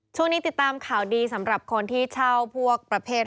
ช่วงนี้ติดตามข่าวดีสำหรับคนที่เช่าพวกประเภท